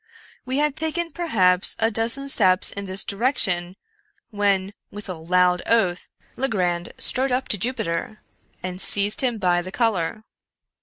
We had taken, perhaps, a dozen steps in this direction, when, with a loud oath, Legrand strode up to Jupiter, and seized him by the collar.